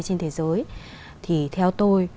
trên thế giới thì theo tôi